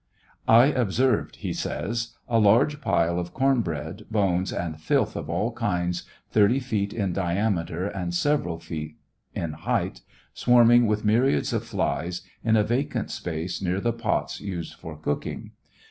lobserved (he says) a large pile of corn bread, bones, and filth of all kinds, 30 feet iri diame ter and several feet in height, swarming with myriads of flies, in a vacant space near the pots used for cooking.